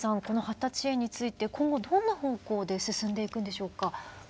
この発達支援について今後どんな方向で進んでいくんでしょうか。